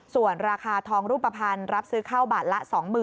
ส่วนราคาทองรูปภัณฑ์รับซื้อเข้าบาทละ๒๐๐๐